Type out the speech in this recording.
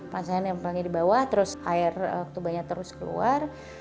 placenta nempelnya di bawah terus air tubanya terus keluar